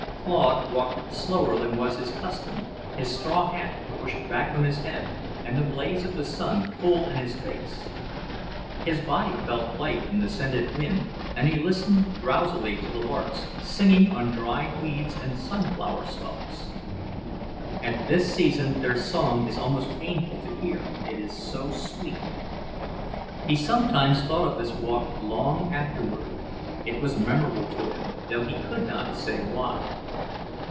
Claude walked slower than was his custom, his straw hat pushed back on his head and the blaze of the sun full in his face. His body felt light in the scented wind, and he listened drowsily to the larks, singing on dried weeds and sunflower stalks. At this season their song is almost painful to hear, it is so sweet. He sometimes thought of this walk long afterward; it was memorable to him, though he could not say why.